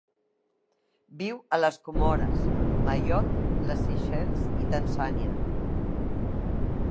Viu a les Comores, Mayotte, les Seychelles i Tanzània.